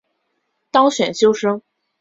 当选修生